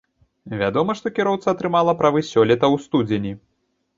Вядома, што кіроўца атрымала правы сёлета ў студзені.